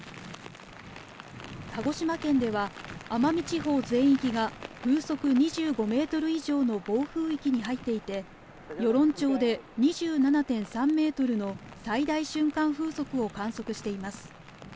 鹿児島県では、奄美地方全域が風速２５メートル以上の暴風域に入っていて、与論町で２７．３メートルの最大瞬間風速を観測しています。